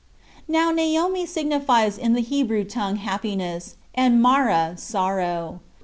Now Naomi signifies in the Hebrew tongue happiness, and Mara, sorrow.